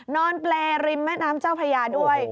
เปรย์ริมแม่น้ำเจ้าพระยาด้วย